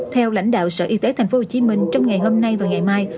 theo lãnh đạo sở y tế tp hcm trong ngày hôm nay và ngày mai